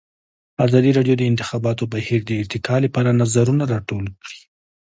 ازادي راډیو د د انتخاباتو بهیر د ارتقا لپاره نظرونه راټول کړي.